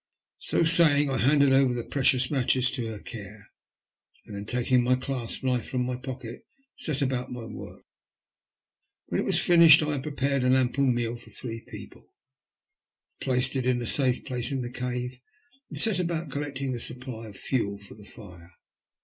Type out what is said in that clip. So saying, I handed over the precious matches to her care ; and then, taking my clasp knife from my pocket, set about my work. When it was finished, and I had prepared an ample meal for three people, I placed it in a safe place in the cave, and then set about collecting a supply of fuel for the fire.